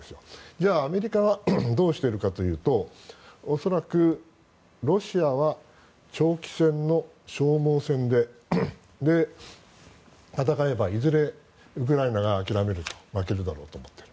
じゃあ、アメリカはどうしているかというと恐らくロシアは長期戦の消耗戦で戦えばいずれウクライナが諦める負けるだろうと思っている。